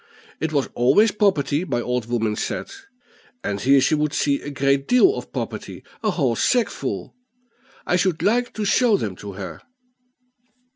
It was always property, my old woman said; and here she would see a great deal of property a whole sackful; I should like to show them to her."